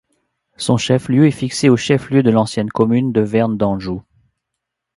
Son chef-lieu est fixé au chef-lieu de l'ancienne commune de Vern-d'Anjou.